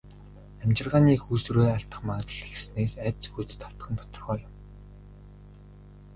Амьжиргааны эх үүсвэрээ алдах магадлал ихэссэнээс айдас хүйдэст автах нь тодорхой юм.